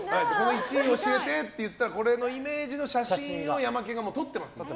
１位教えてって言ったらこれのイメージの写真をヤマケンが撮ってますので。